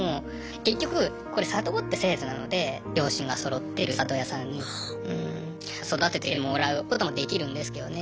結局これ里子って制度なので両親がそろってる里親さんに育ててもらうこともできるんですけどね。